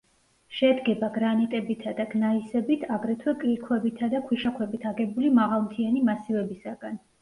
შედგება გრანიტებითა და გნაისებით, აგრეთვე კირქვებითა და ქვიშაქვებით აგებული მაღალმთიანი მასივებისაგან.